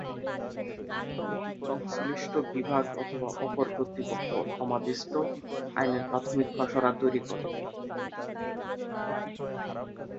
সংশ্লিষ্ট বিভাগ অথবা অপর কর্তৃপক্ষ সমাদিষ্ট আইনের প্রাথমিক খসড়া তৈরি করে।